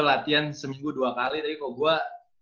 latihan seminggu dua kali tapi kok gue